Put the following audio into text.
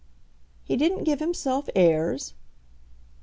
"He didn't give himself airs?"